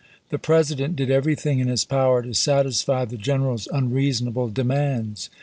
The President did everything in his power to satisfy the general's unreasonable demands.